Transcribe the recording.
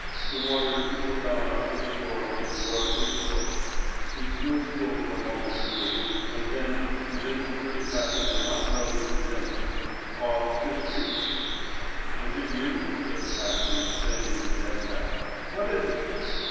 The water trickled down on to the floor from his waterproof cloak. He stood still for a moment or two, and then, convinced that the captain had not noticed his entrance, coughed discreetly. "Is it you?" said the captain, bending his head back. "What is it?"